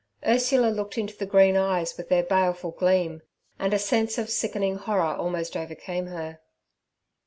Ursula looked into the green eyes with their baleful gleam, and a sense of sickening horror almost overcame her.